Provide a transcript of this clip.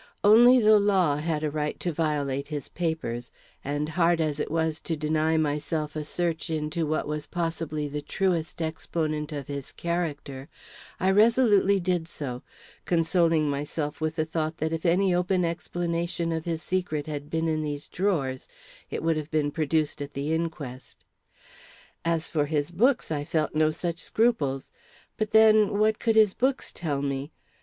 Only the law had a right to violate his papers; and hard as it was to deny myself a search into what was possibly the truest exponent of his character, I resolutely did so, consoling myself with the thought that if any open explanation of his secret had been in these drawers, it would have been produced at the inquest. As for his books, I felt no such scruples. But then, what could his books tell me?